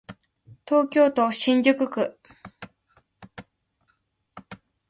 東京都新宿区